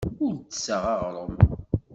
Ur d-tessaɣ aɣrum.